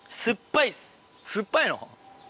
酸っぱいの？